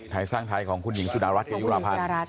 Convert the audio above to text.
ไทยสร้างไทยของคุณหญิงสุดารัฐเกยุราพันธ์